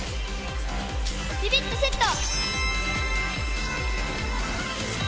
ビビッとセット！